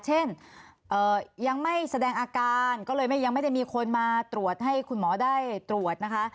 เช่นยังไม่แสดงอาการก็เลยยังไม่ได้มีคนมาตรวจให้คุณหมอได้ตรวจนะคะ